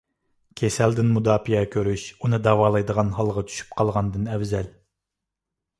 كېسەلدىن مۇداپىئە كۆرۈش، ئۇنى داۋالايدىغان ھالغا چۈشۈپ قالغاندىن ئەۋزەل.